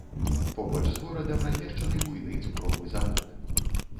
Побач з горадам размешчаны буйны цукровы завод.